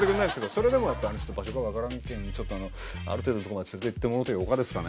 それでも「場所がわからんけんちょっとある程度の所まで連れて行ってもろてよかですかね？」